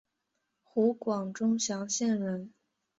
湖广钟祥县人。